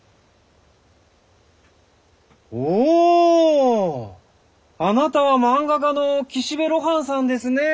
おーっあなたは漫画家の岸辺露伴さんですねェー。